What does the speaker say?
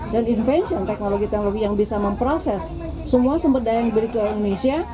dan invention teknologi teknologi yang bisa memproses semua sumber daya yang diberi ke indonesia